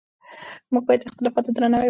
موږ باید د اختلافاتو درناوی وکړو.